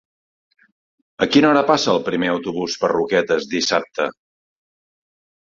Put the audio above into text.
A quina hora passa el primer autobús per Roquetes dissabte?